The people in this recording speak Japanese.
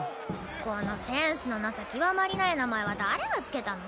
このセンスのなさ極まりない名前は誰が付けたの？